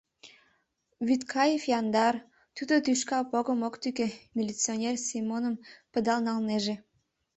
— Вӱдкаев яндар, тудо тӱшка погым ок тӱкӧ, — милиционер Семоным пыдал налнеже.